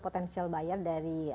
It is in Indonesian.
potensial buyer dari